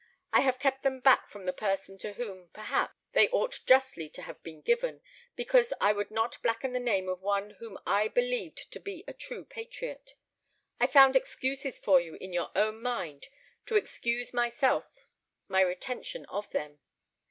I have kept them back from the person to whom, perhaps, they ought justly to have been given, because I would not blacken the name of one whom I believed to be a true patriot. I found excuses for you in your own mind to excuse to myself my retention of them.